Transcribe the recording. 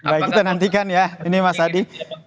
baik kita nantikan ya ini mas adi